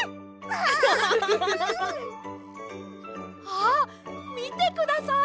あっみてください！